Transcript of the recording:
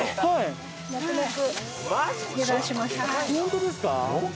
本当ですか！